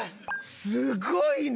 すごいね！